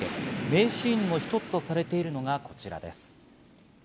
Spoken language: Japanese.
名シーンの一つとされているのがこちらです。